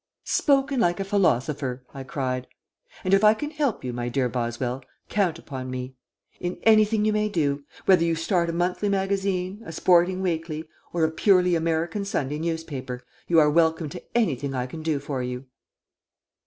"Spoken like a philosopher!" I cried. "And if I can help you, my dear Boswell, count upon me. In anything you may do, whether you start a monthly magazine, a sporting weekly, or a purely American Sunday newspaper, you are welcome to anything I can do for you."